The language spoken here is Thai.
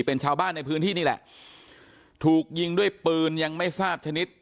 เป็นชาวบ้านในพื้นที่นี่แหละถูกยิงด้วยปืนยังไม่ทราบชนิด